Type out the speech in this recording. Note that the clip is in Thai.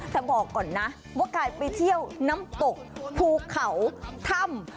แต่บอกก่อนนะว่าการไปเที่ยวน้ำตกภูเขาถ้ำ